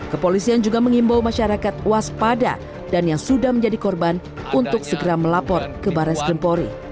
kepolisian juga mengimbau masyarakat waspada dan yang sudah menjadi korban untuk segera melapor ke barat skrimpori